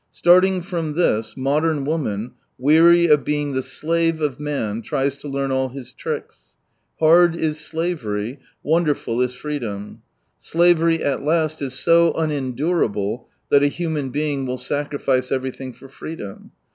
Starting from this, modern woman, weary, of being the slave of many tries to learn all his tricks. Hard is slavery, wonderful is freedom! Slavery at last is so unendurable that a human being will sacrifice, everything for freedom.